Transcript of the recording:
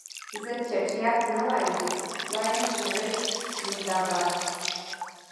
زه چټیات نه وایم، وایم زمري مرده باد.